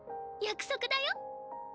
約束だよ。